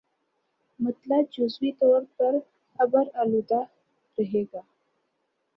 مطلع جزوی طور پر ابر آلود رہے گا